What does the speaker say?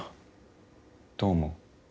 どう思う？